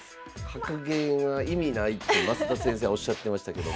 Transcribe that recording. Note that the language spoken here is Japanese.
「格言は意味ない」って増田先生おっしゃってましたけども。